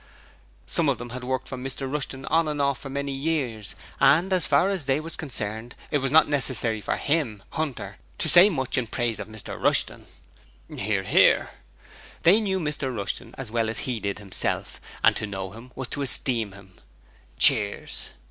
Some of them had worked for Mr Rushton on and off for many years, and as far as THEY was concerned it was not necessary for him (Hunter) to say much in praise of Mr Rushton. (Hear, hear.) They knew Mr Rushton as well as he did himself and to know him was to esteem him. (Cheers.)